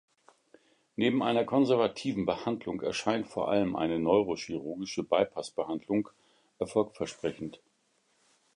Neben einer konservativen Behandlung erscheint vor allem eine neurochirurgische Bypass-Behandlung erfolgversprechend.